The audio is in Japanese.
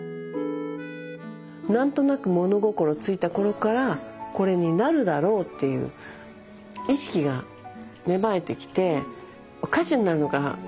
何となく物心ついた頃からこれになるだろうっていう意識が芽生えてきて歌手になるのか